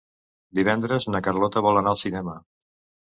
Divendres na Carlota vol anar al cinema.